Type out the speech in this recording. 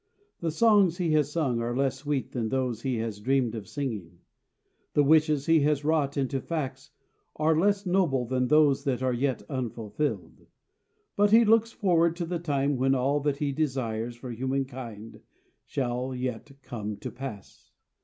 The songs he has sung are less sweet than those he has dreamed of singing; the wishes he has wrought into facts are less noble than those that are yet unfulfilled. But he looks forward to the time when all that he desires for humankind shall yet come to pass.